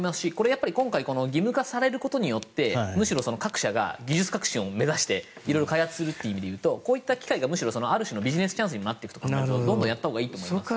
今回義務化されることによってむしろ各社が技術革新を目指して色々開発するという意味で言うとこういう機会がある種のビジネスチャンスになると思うとどんどんやったほうがいいと思います。